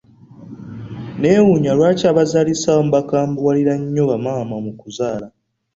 Neewuunya lwaki abazaalisa abamu bakambuwalira nnyo ba maama mu kuzaala.